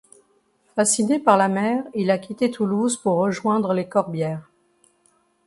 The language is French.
Fasciné par la mer il a quitté Toulouse pour rejoindre les Corbières.